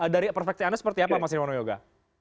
dari perspektif anda seperti apa mas nirwono yoga